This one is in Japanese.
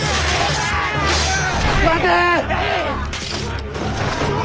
待て！